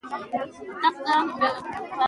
د دولتي قراردادونو پروسه رڼه وي.